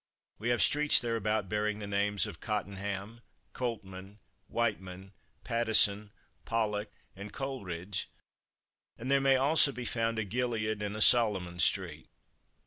We have streets thereabout bearing the names of Cottenham, Coltman, Wightman, Patteson, Pollock, and Coleridge, and there may also be found a Gilead and a Solomon street.